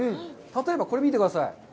例えば、これ、見てください。